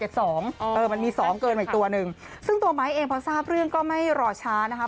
เออมันมีสองเกินมาอีกตัวหนึ่งซึ่งตัวไม้เองพอทราบเรื่องก็ไม่รอช้านะคะ